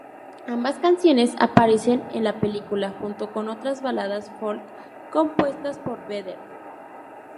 Ambas canciones aparecen en la película junto con otros baladas folk compuestas por Vedder.